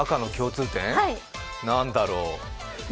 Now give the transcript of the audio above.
何だろう。